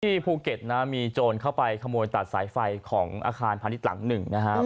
ภูเก็ตนะมีโจรเข้าไปขโมยตัดสายไฟของอาคารพาณิชย์หลังหนึ่งนะครับ